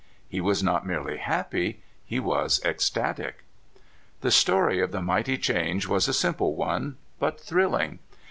He was not merely happy he was ecstatic. The story of the mighty change was a simple one, but thrilling.